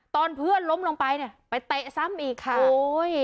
ตอนเพื่อนล้มลงไปเนี่ยไปเตะซ้ำอีกค่ะโอ้ย